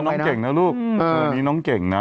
น้องเก่งนะลูกนี้น้องเก่งนะ